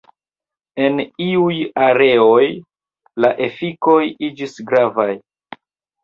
En iuj areoj la efikoj iĝis gravaj.